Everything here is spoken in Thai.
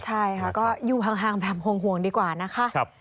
ใช่ค่ะก็อยู่ห่างแบบห่วงดีกว่านะคะ